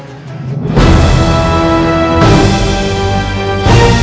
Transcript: tapi bagaimana kalau dia melakukan itu